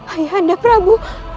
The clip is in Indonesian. ayah anda prabu